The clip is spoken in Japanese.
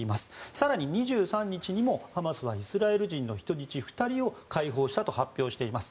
更に２３日もハマスはイスラエル人２人の人質を解放したと発表しています。